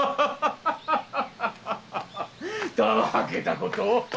たわけたことを。